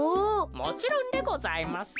もちろんでございます。